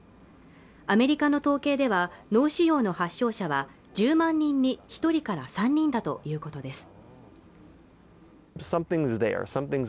アメリカの統計では脳腫瘍の発症者は１０万人に１人から３人だということです